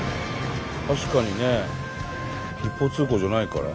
確かにね。一方通行じゃないから。